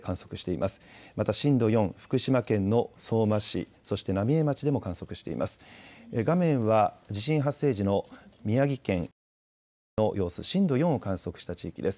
また震度４、福島県の相馬市、そして浪江町でも観測しています。